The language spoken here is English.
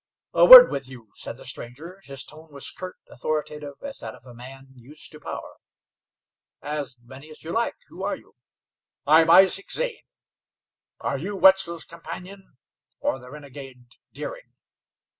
"A word with you," said the stranger. His tone was curt, authoritative, as that of a man used to power. "As many as you like. Who are you?" "I am Isaac Zane. Are you Wetzel's companion, or the renegade Deering?"